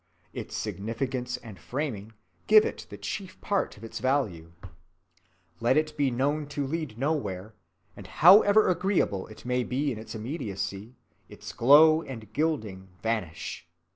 Its significance and framing give it the chief part of its value. Let it be known to lead nowhere, and however agreeable it may be in its immediacy, its glow and gilding vanish.